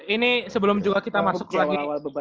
ini sebelum juga kita masuk lagi